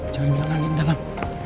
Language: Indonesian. jangan bilang anding di dalam